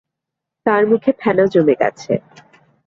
তাঁর মুখে ফেনা জমে গেছে।